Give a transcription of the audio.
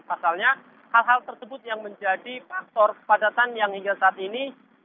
pasalnya hal hal tersebut yang menjadi faktor kepadatan yang hingga saat ini